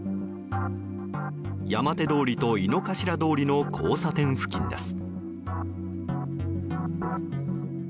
山手通りと井の頭通りの交差点付近です。